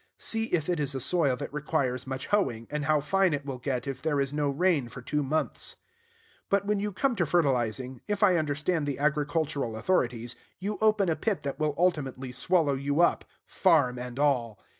See if it is a soil that requires much hoeing, and how fine it will get if there is no rain for two months. But when you come to fertilizing, if I understand the agricultural authorities, you open a pit that will ultimately swallow you up, farm and all.